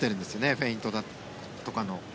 フェイントとかの。